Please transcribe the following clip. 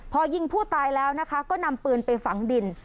พอยิงผู้ตายแล้วนะคะก็นำปืนไปฝังดิน